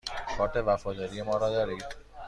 کارت وفاداری ما را دارید؟